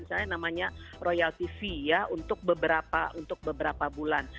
misalnya namanya royal tv untuk beberapa bulan